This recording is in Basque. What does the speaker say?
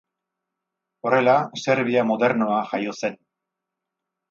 Horrela, Serbia modernoa jaio zen.